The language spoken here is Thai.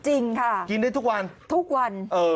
จริงค่ะกินได้ทุกวันทุกวัน